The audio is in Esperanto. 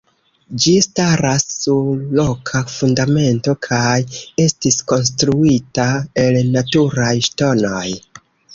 Ĝi staras sur roka fundamento kaj estis konstruita el naturaj ŝtonoj.